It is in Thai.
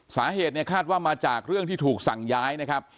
สาเหตุเนี่ยคาดว่ามาจากเรื่องที่ถูกสั่งย้ายนะครับ